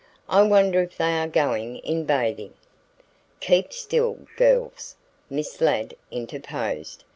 "I wonder if they are going in bathing." "Keep still, girls," Miss Ladd interposed.